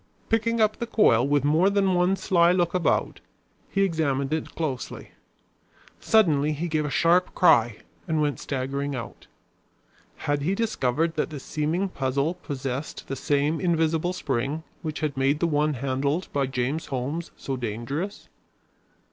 Picking up the coil with more than one sly look about, he examined it closely. Suddenly he gave a sharp cry and went staggering out. Had he discovered that the seeming puzzle possessed the same invisible spring which had made the one handled by James Holmes so dangerous?